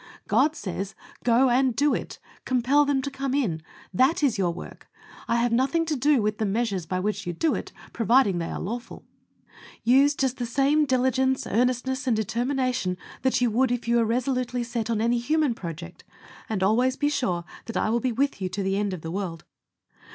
God says, "GO AND DO IT: compel them to come in. That is your work. I have nothing to do with the measures by which you do it providing they are lawful." "Use just the same diligence, earnestness, and determination that you would if you were resolutely set on any human project, and always be sure that I will be with you to the end of the world.